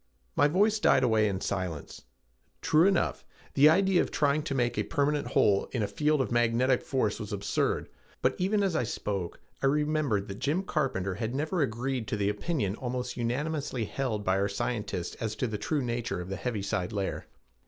My voice died away in silence. True enough, the idea of trying to make a permanent hole in a field of magnetic force was absurd, but even as I spoke I remembered that Jim Carpenter had never agreed to the opinion almost unanimously held by our scientists as to the true nature of the heaviside layer.